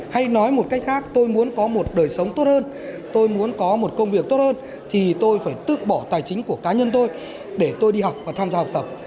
hay nói một cách khác tôi muốn có một đời sống tốt hơn tôi muốn có một công việc tốt hơn thì tôi phải tự bỏ tài chính của cá nhân tôi để tôi đi học và tham gia học tập